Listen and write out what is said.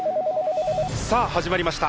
さあ始まりました